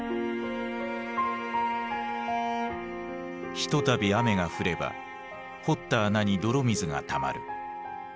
ひとたび雨が降れば掘った穴に泥水がたまる。